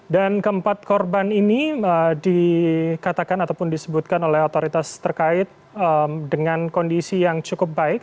dan keempat korban ini dikatakan ataupun disebutkan oleh otoritas terkait dengan kondisi yang cukup baik